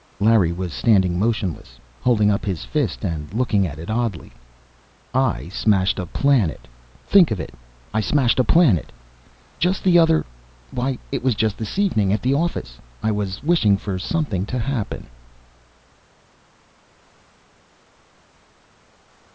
Larry was standing motionless, holding up his fist and looking at it oddly. "I smashed a planet! Think of it. I smashed a planet! Just the other why it was just this evening, at the office, I was wishing for something to happen!"